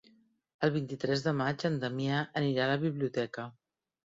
El vint-i-tres de maig en Damià anirà a la biblioteca.